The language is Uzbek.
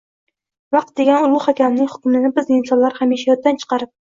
Vaqt degan ulug’ hakamning hukmini biz insonlar hamisha yoddan chiqarib